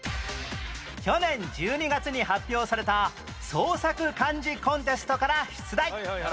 去年１２月に発表された創作漢字コンテストから出題